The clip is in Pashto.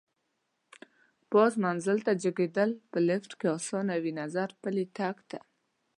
پاس منزل ته جګېدل په لېفټ کې اسان وي، نظر پلي تګ ته.